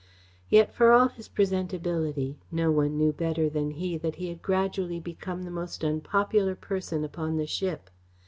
Yet, for all his presentability, no one knew better than he that he had gradually become the most unpopular person upon the ship.